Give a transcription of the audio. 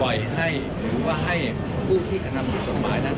ปล่อยให้หรือว่าให้ผู้ที่กำหนังผู้สดหมายนั่น